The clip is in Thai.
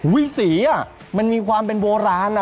อุ๊ยสีน่ะมันมีความเป็นโบราณน่ะ